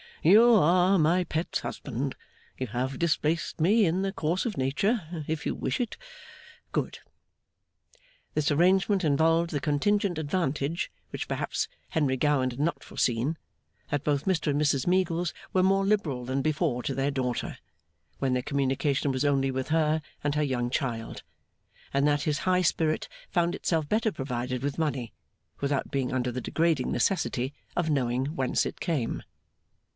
You are my Pet's husband; you have displaced me, in the course of nature; if you wish it, good!' This arrangement involved the contingent advantage, which perhaps Henry Gowan had not foreseen, that both Mr and Mrs Meagles were more liberal than before to their daughter, when their communication was only with her and her young child: and that his high spirit found itself better provided with money, without being under the degrading necessity of knowing whence it came.